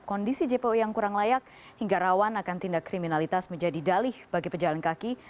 kondisi jpo yang kurang layak hingga rawan akan tindak kriminalitas menjadi dalih bagi pejalan kaki